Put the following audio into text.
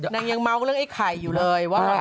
ยังเมาส์เรื่องไอ้ไข่อยู่เลยว่า